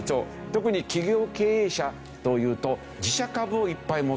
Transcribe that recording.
特に企業経営者というと自社株をいっぱい持っている。